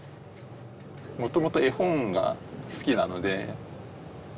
もともと絵本が好きなので。